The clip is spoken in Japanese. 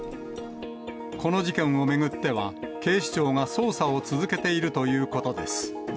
この事件を巡っては、警視庁が捜査を続けているということです。